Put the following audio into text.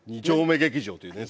２丁目劇場。